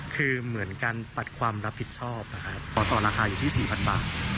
คือเหมือนกันปัดความรับผิดชอบอ่ะครับต่อราคาอยู่ที่สี่พันบาท